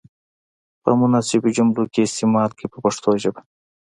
په مناسبو جملو کې یې استعمال کړئ په پښتو ژبه.